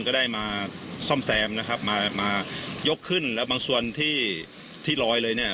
ก็ได้มาซ่อมแซมนะครับมามายกขึ้นแล้วบางส่วนที่ที่ลอยเลยเนี่ย